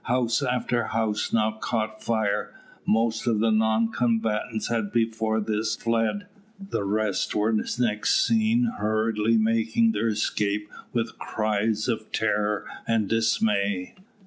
House after house now caught fire. Most of the non combatants had before this fled, the rest were next seen hurriedly making their escape with cries of terror and dismay.